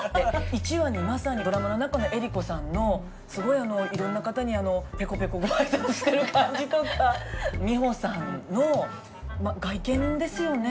１話にまさにドラマの中の江里子さんのすごいいろんな方にペコペコご挨拶してる感じとか美穂さんの外見ですよね。